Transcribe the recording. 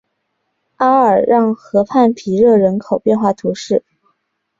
阿尔让河畔皮热人口变化图示